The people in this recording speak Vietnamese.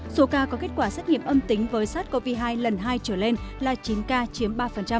số ca có kết quả xét nghiệm âm tính với sars cov hai lần hai trở lên là chín ca chiếm ba